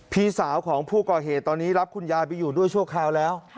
พี่สาวของผู้ก่อเหตุตอนนี้รับคุณยายไปอยู่ด้วยชั่วคราวแล้ว